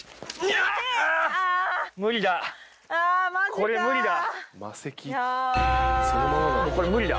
これ無理だいや